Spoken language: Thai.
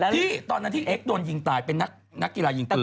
ที่ตอนนั้นที่เอ็กซโดนยิงตายเป็นนักกีฬายิงปืน